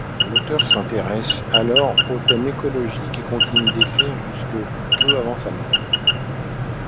L'auteur s'intéresse alors aux thèmes écologiques et continue d'écrire jusque peu avant sa mort.